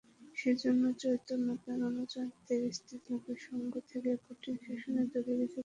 যেজন্যে চৈতন্য তাঁর অনুচরদের স্ত্রীলোকের সঙ্গ থেকে কঠিন শাসনে দূরে রেখেছিলেন।